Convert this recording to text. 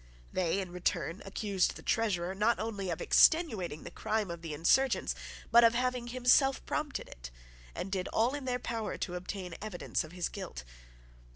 They in return accused the Treasurer, not only of extenuating the crime of the insurgents, but of having himself prompted it, and did all in their power to obtain evidence of his guilt.